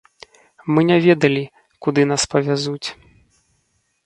Мы не ведалі, куды нас павязуць.